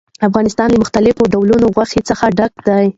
افغانستان له مختلفو ډولونو غوښې څخه ډک دی.